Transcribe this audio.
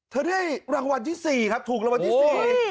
ได้รางวัลที่๔ครับถูกรางวัลที่๔